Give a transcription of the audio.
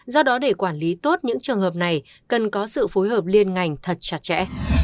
do đó để quản lý tốt những trường hợp này cần có sự phối hợp liên ngành thật chặt chẽ